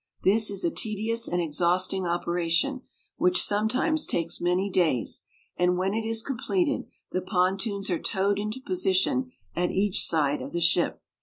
This is a tedious and exhausting operation, which sometimes takes many days; and when it is completed, the pontoons are towed into position at each side of the ship.